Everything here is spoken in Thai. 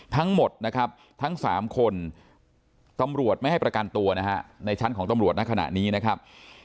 ทั้งหมดนะครับทั้ง๓คนตำรวจไม่ให้ประกันตัวนะฮะในชั้นของตำรวจในขณะนี้นะครับ